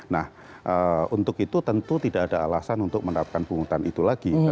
nah untuk itu tentu tidak ada alasan untuk menerapkan penghutang itu lagi